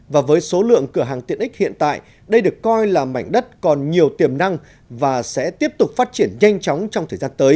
và với số lượng cửa hàng tiện ích hiện tại đây được coi là mảnh đất còn nhiều tiềm năng và sẽ tiếp tục phát triển nhanh